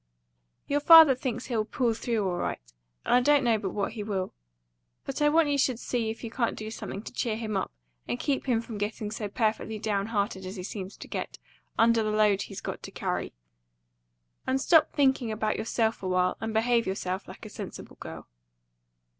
"Your father thinks he'll pull through all right, and I don't know but what he will. But I want you should see if you can't do something to cheer him up and keep him from getting so perfectly down hearted as he seems to get, under the load he's got to carry. And stop thinking about yourself a while, and behave yourself like a sensible girl."